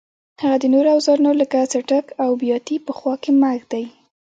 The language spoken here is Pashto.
هغه د نورو اوزارونو لکه څټک او بیاتي په خوا کې مه ږدئ.